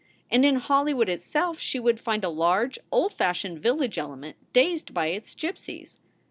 And in Hollywood itself she would find a large, old fashioned village element dazed by its gypsies.